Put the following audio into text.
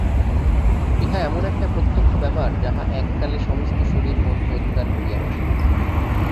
ইহা এমন একটা প্রত্যক্ষ ব্যাপার যাহা এক কালে সমস্ত শরীর মনকে অধিকার করিয়া বসে।